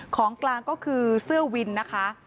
ของกลางก็คือเสื้อวินนะคะ